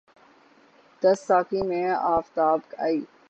دست ساقی میں آفتاب آئے